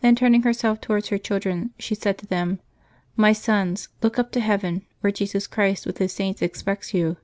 Then turning herself towards her children, she said to them, "My sons, look up to heaven, where Jesu5 Christ with His Saints expects you.